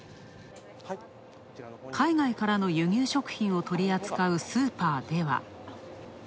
海外からの輸入食品を取り扱うスーパーでは。